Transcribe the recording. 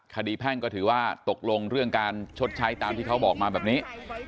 แพ่งก็ถือว่าตกลงเรื่องการชดใช้ตามที่เขาบอกมาแบบนี้